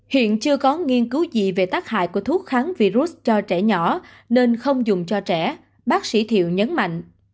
hiện chưa có nghiên cứu gì về tác hại của thuốc kháng virus cho trẻ nhỏ nên không dùng cho trẻ bác sĩ thiệu nhấn mạnh